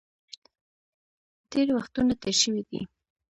تېرې وختونه تېر شوي دي.